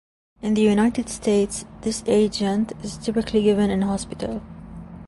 In the United States, this agent is typically given in hospital.